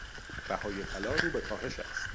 بهای طلا رو به کاهش است.